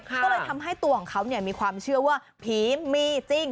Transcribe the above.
ก็เลยทำให้ตัวของเขามีความเชื่อว่าผีมีจริง